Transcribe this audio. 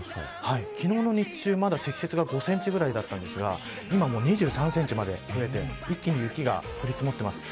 昨日の日中、まだ積雪が５センチぐらいだったんですが今もう２３センチまで増えて一気に雪が降り積もってます。